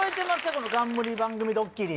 この冠番組ドッキリ